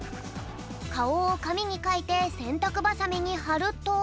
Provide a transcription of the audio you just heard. かおをかみにかいてせんたくバサミにはると。